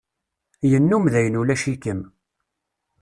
Yennum dayen ulac-ikem.